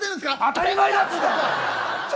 当たり前だっつーんだ。